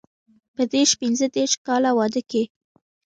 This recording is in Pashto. په دیرش پنځه دېرش کاله واده کې.